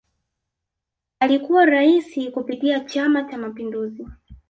Alikuwa Rais kupitia Chama Cha Mapinduzi